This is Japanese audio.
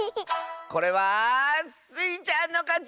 これはスイちゃんのかち！